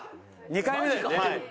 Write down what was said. ２回目だよね。